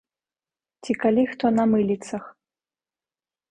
Ці калі хто на мыліцах.